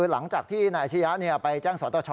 หลังจากที่หน้าอาชญาไปแจ้งสตช